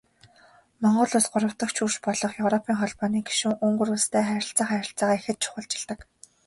Монгол Улс гуравдагч хөрш болох Европын Холбооны гишүүн Унгар улстай харилцах харилцаагаа ихэд чухалчилдаг.